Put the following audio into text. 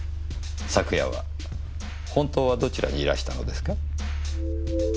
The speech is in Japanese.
昨夜は本当はどちらにいらしたのですか？